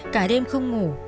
cả đêm không ngủ